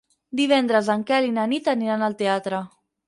Divendres en Quel i na Nit aniran al teatre.